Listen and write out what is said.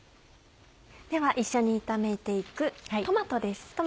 では一緒に炒めて行くトマトです。